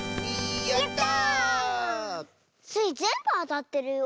やった！スイぜんぶあたってるよ。